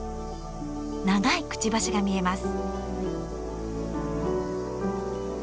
長いくちばしが見えます。